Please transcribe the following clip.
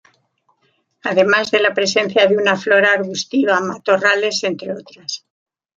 Además de la presencia de un flora arbustiva, matorrales, entre otras.